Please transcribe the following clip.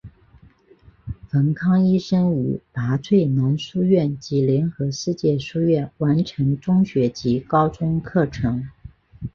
冯康医生于拔萃男书院及联合世界书院完成中学及高中课程。